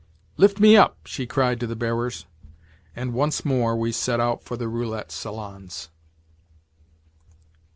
"Lift me up," she cried to the bearers, and once more we set out for the roulette salons.